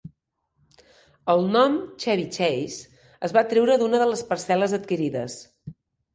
El nom "Chevy Chase" es va treure d'una de les parcel·les adquirides.